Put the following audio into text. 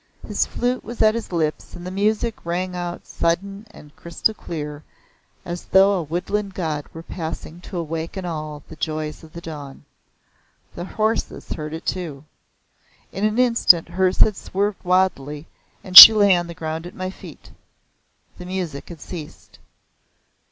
His flute was at his lips and the music rang out sudden and crystal clear as though a woodland god were passing to awaken all the joys of the dawn. The horses heard too. In an instant hers had swerved wildly, and she lay on the ground at my feet. The music had ceased.